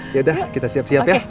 yaudah kita siap siap ya